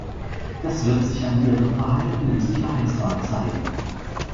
Das wird sich an ihrem Verhalten im Sicherheitsrat zeigen.